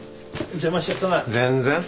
全然。